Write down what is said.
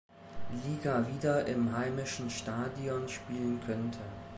Liga wieder im heimischen Stadion spielen könnte.